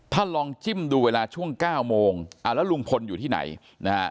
ถ้าลองจิ้มดูเวลาช่วง๙โมงแล้วลุงพลอยู่ที่ไหน